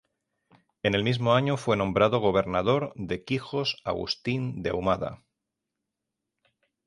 En el mismo año fue nombrado gobernador de Quijos Agustín de Ahumada.